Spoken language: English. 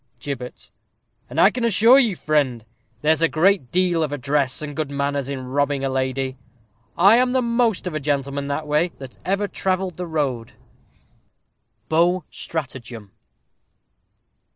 Gibbet. And I can assure you, friend, there's a great deal of address, and good manners, in robbing a lady. I am the most of a gentleman, that way, that ever travelled the road. _Beaux Stratagem.